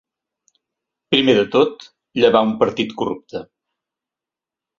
Primer de tot, llevar un partit corrupte.